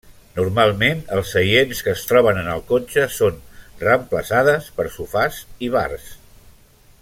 Normalment els seients que es troben en el cotxe són reemplaçades per sofàs i bars.